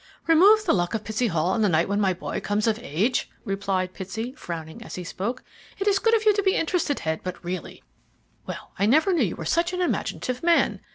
"Remove the luck of Pitsey Hall on the night when my boy comes of age!" replied Pitsey, frowning as he spoke. "It is good of you to be interested, Head; but really well, I never knew you were such an imaginative man!